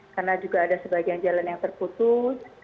karena juga ada sebagian jalan yang terputus